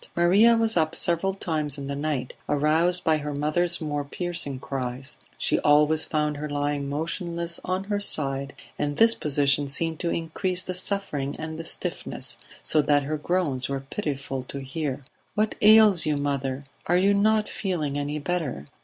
Maria was up several times in the night, aroused by her mother's more piercing cries; she always found her lying motionless on her side, and this position seemed to increase the suffering and the stiffness, so that her groans were pitiful to hear. "What ails you, mother? Are you not feeling any better?"